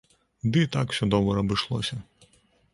Ды і так усё добра абышлося.